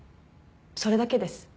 それだけです。